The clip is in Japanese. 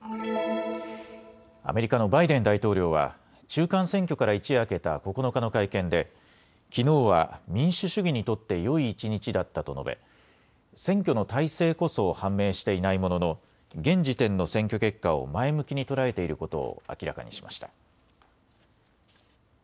アメリカのバイデン大統領は中間選挙から一夜明けた９日の会見できのうは民主主義にとってよい一日だったと述べ選挙の大勢こそ判明していないものの現時点の選挙結果を前向きに捉えていることを明らかにしました。